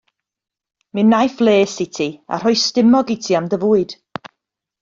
Mi wnaiff les i ti a rhoi stumog i ti am dy fwyd.